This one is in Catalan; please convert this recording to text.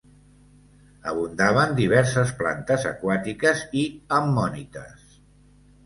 Abundaven diverses plantes aquàtiques i ammonites.